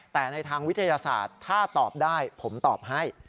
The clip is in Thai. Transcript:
แต่ในทางวิทยาศาสตร์ถ้าตอบได้ผมตอบให้